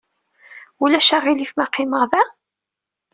Ulac aɣilif ma qqimeɣ da?